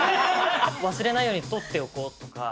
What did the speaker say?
忘れないように録っておこうとか。